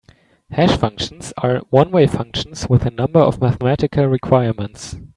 Hash functions are one-way functions with a number of mathematical requirements.